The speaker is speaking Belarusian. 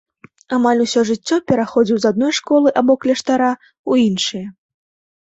Амаль усё жыццё пераходзіў з адной школы або кляштара ў іншыя.